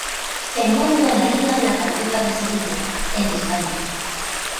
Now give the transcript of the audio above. Se encuentra en la Isla de la Cartuja de Sevilla, en España.